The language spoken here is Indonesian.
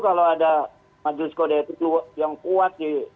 kalau ada majelis kode etik yang kuat